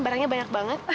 barangnya banyak banget